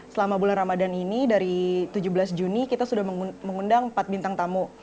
selama bulan ramadan ini dari tujuh belas juni kita sudah mengundang empat bintang tamu